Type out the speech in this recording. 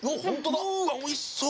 うわっおいしそう！